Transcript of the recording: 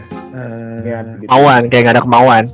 kemauan kayak nggak ada kemauan